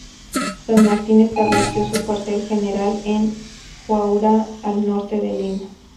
San Martín estableció su cuartel general en Huaura, al norte de Lima.